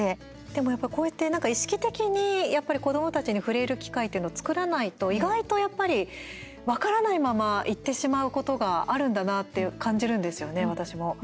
でも、やっぱりこうやって意識的にやっぱり子どもたちに触れる機会っていうのを作らないと意外と、やっぱり分からないままいってしまうことがあるんだなっていう感じるんですよね、私も。